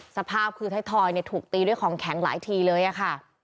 สภาพคือไทยทอยถูกตีด้วยของแข็งหลายทีเลยค่ะ